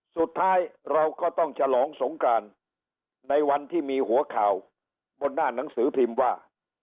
สุดท้ายเราก็ต้องฉลองสงกรานในวันที่มีหัวข่าวบนหน้าหนังสือพิมพ์ว่า